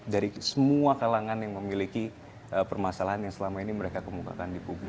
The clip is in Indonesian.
dari semua kalangan yang memiliki permasalahan yang selama ini mereka kemukakan di publik